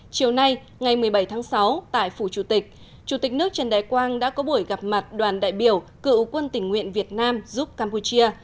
chiều nay ngày một mươi bảy tháng sáu tại phủ chủ tịch chủ tịch nước trần đại quang đã có buổi gặp mặt đoàn đại biểu cựu quân tình nguyện việt nam giúp campuchia